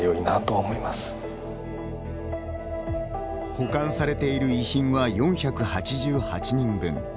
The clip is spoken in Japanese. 保管されている遺品は４８８人分。